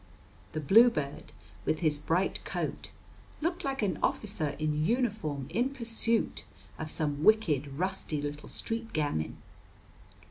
The bluebird, with his bright coat, looked like an officer in uniform in pursuit of some wicked, rusty little street gamin.